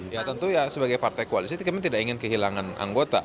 ya tentu ya sebagai partai koalisi kami tidak ingin kehilangan anggota